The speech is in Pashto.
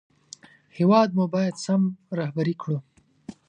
هېواد مو باید سم رهبري کړو